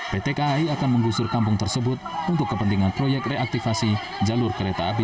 pt kai akan menggusur kampung tersebut untuk kepentingan proyek reaktivasi jalur kereta api